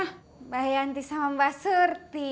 mbak yanti sama mbak surti